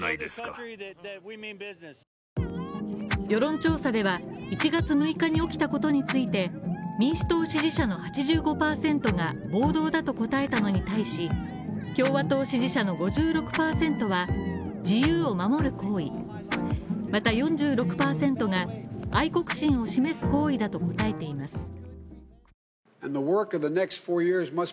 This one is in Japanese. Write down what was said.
世論調査では、１月６日に起きたことについて、民主党支持者の８５％が暴動だと答えたのに対し、共和党支持者の５６％は自由を守る行為、また４６％が愛国心を示す行為だと答えています。